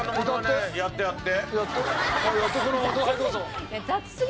えやってやって。